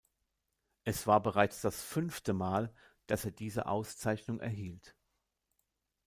Es war bereits das fünfte Mal, dass er diese Auszeichnung erhielt.